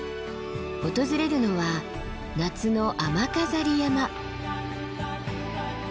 訪れるのは夏の雨飾山。